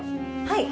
はい。